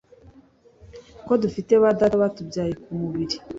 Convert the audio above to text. Ko dufite ba data batubyaye ku mubiri